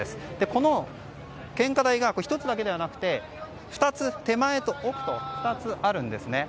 この献花台が１つだけではなくて手前と奥と２つあるんですね。